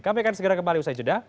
kami akan segera kembali usai jeda